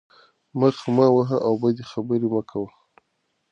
مخ مه وهه او بدې خبرې مه کوه.